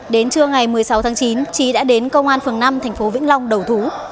đến trưa ngày một mươi sáu tháng chín trí đã đến công an phường năm thành phố vĩnh long đầu thú